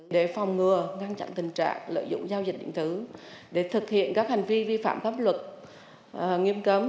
để phòng ngừa ngăn chặn tình trạng lợi dụng giao dịch điện tử để thực hiện các hành vi vi phạm pháp luật nghiêm cấm